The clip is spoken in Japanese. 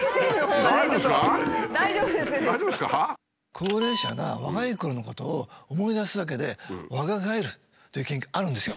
高齢者が若いころのことを思い出すだけで若返るという研究あるんですよ。